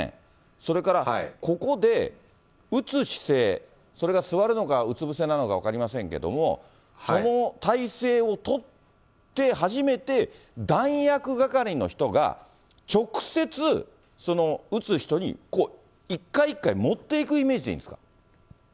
それから、ここで撃つ姿勢、それが座るのかうつ伏せなのか分かりませんけれども、その体勢を取って初めて弾薬係の人が直接撃つ人に、一回一回持っていくイメージでいいんですか。